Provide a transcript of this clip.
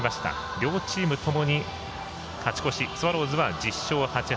両チームともに勝ち越しスワローズは１０勝８敗。